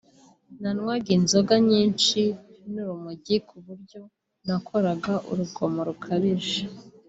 nanywaga inzoga nyinshi n’urumogi ku buryo nakoraga urugomo rukabije